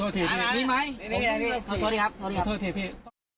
ดีไหมไม่มีอะไรเลยพี่ขอโทษทีครับ